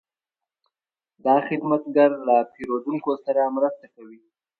دا خدمتګر له پیرودونکو سره مرسته کوي.